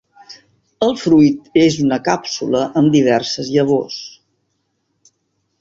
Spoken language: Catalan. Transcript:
El fruit és una càpsula amb diverses llavors.